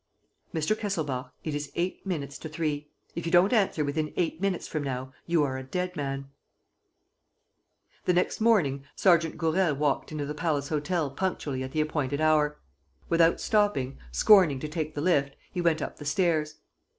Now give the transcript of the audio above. "Mr. Kesselbach, it is eight minutes to three. If you don't answer within eight minutes from now, you are a dead man!" The next morning, Sergeant Gourel walked into the Palace Hotel punctually at the appointed hour. Without stopping, scorning to take the lift, he went up the stairs.